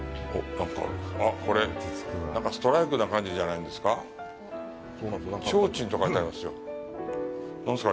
あっ、これ、何かストライクな感じじゃないんですか。